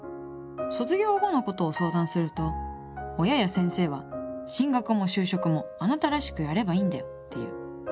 卒業後のことを相談すると親や先生は「進学も就職もあなたらしくやればいいんだよ」って言う。